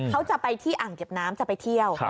เขาจะไปที่อ่างเก็บน้ำจะไปเที่ยว